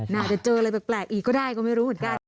เดี๋ยวเจออะไรแบบแปลกอีกก็ได้ก็ไม่รู้หมดก็ได้